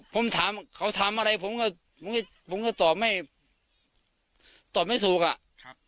ผมถามเขาทำอะไรผมก็ผมก็ตอบไม่ตอบไม่ถูกอ่ะครับ